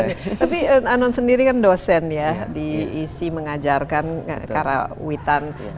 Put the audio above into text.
tapi anon sendiri kan dosen ya diisi mengajarkan karawitan